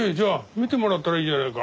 見てもらったらいいじゃないか。